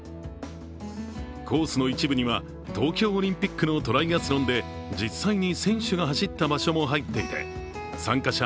コースの一部には東京オリンピックのトライアスロンで実際に選手が走った場所も入っていて参加者